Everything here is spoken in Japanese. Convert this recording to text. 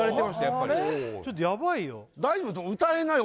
やっぱりちょっとヤバいよ大丈夫？